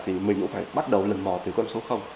thì mình cũng phải bắt đầu lần mò từ con số